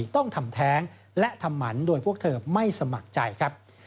ต้องทำแท้งและทำหมันโดยพวกเธอไม่สมัครใจครับ